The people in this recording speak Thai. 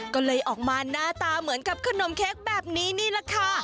ก็เลยออกมาหน้าตาเหมือนกับขนมเค้กแบบนี้นี่แหละค่ะ